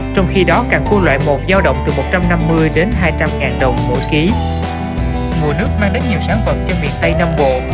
trong khi đó càng cua loại một giao động từ một trăm năm mươi đến hai trăm linh ngàn đồng mỗi kg